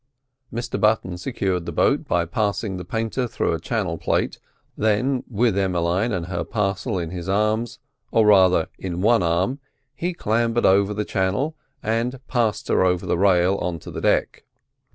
Mr Button secured the boat by passing the painter through a channel plate, then, with Emmeline and her parcel in his arms or rather in one arm, he clambered over the channel and passed her over the rail on to the deck.